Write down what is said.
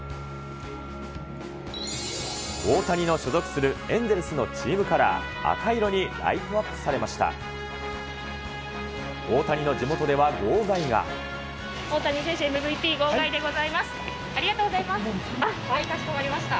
大谷の所属するエンゼルスのチームカラー、赤色にライトアップされました。